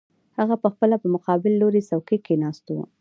هغه پخپله په مقابل لوري څوکۍ کې ناست و